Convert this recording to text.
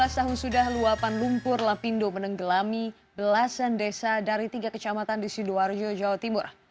dua belas tahun sudah luapan lumpur lapindo menenggelami belasan desa dari tiga kecamatan di sidoarjo jawa timur